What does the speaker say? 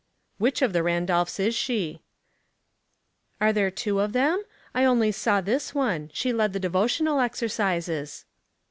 " Which of the Randolphs is she ?" "Are there two of them? I saw only this one. She led the devotional exercises."